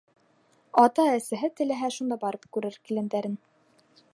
Ата-әсәһе теләһә, шунда барып күрер килендәрен!